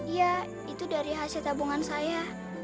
iya itu dari hasil tabungan saya